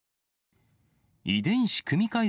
遺伝子組み換え